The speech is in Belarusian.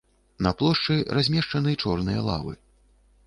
На плошчы размешчаны чорныя лавы.